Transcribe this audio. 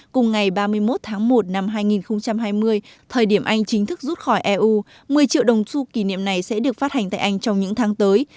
cùng ngày ba mươi một tháng một năm hai nghìn hai mươi thời điểm anh chính thức rút khỏi eu một mươi triệu đồng su kỷ niệm này sẽ được phát hành tại anh trong những tháng tới